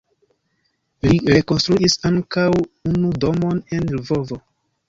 Li rekonstruis ankaŭ unu domon en Lvovo.